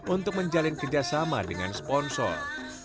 untuk menjalin kerjasama dengan sponsor